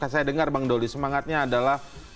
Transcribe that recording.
saya dengar bang doli semangatnya adalah